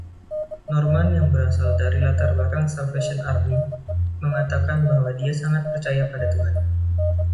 Norman, yang berasal dari latar belakang Salvation Army, mengatakan bahwa dia sangat percaya pada Tuhan.